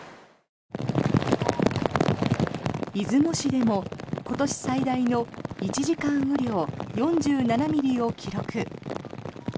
出雲市でも今年最大の１時間雨量４７ミリを記録。